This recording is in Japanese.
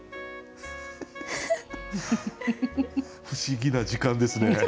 不思議な時間ですね。